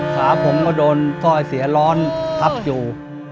ขาผมก็โดนสร้อยเสียร้อนทับอยู่